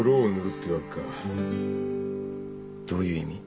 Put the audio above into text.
どういう意味？